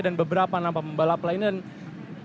dan beberapa nama pembalap lainnya